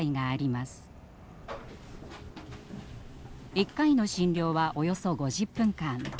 １回の診療はおよそ５０分間。